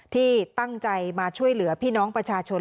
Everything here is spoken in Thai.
ที่ตั้งใจมาช่วยเหลือพี่น้องประชาชน